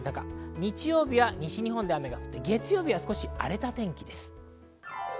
日曜日は西日本で雨が降って、月曜日は荒れた天気です。